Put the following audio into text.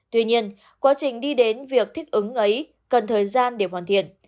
tuy nhiên quá trình đi đến việc thích ứng ấy cần thời gian để hoàn thiện